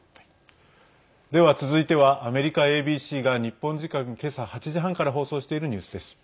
では続いてはアメリカＡＢＣが日本時間、今朝８時半から放送しているニュースです。